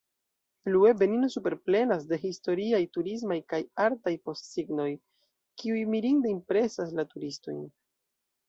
Plue, Benino superplenas de historiaj, turismaj, kaj artaj postsignoj, kiuj mirinde impresas la turistojn.